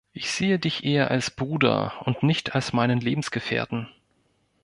Ich sehe dich eher als Bruder und nicht als meinen Lebensgefährten.